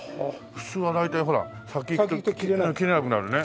普通は大体ほら先いくと切れなくなるよね。